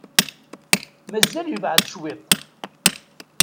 Mazal yebɛed cwiṭ.